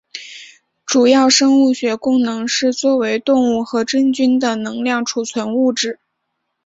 主要生物学功能是作为动物和真菌的能量储存物质。